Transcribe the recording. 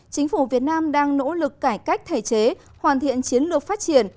chính phủ việt nam đang nỗ lực cải cách thể chế hoàn thiện chiến lược phát triển